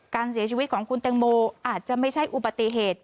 การเสียชีวิตของคุณแตงโมอาจจะไม่ใช่อุบัติเหตุ